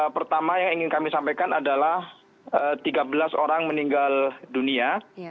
pertama yang ingin kami sampaikan adalah tiga belas orang meninggal dunia